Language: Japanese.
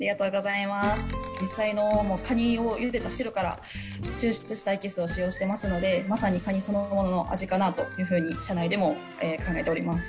実際のカニをゆでた汁から抽出したエキスを使用していますので、まさにカニそのものの味かなというふうに、社内でも考えております。